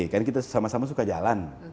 karena kita sama sama suka jalan